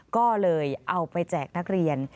ก็เลยเอาไปแจกนักเรียน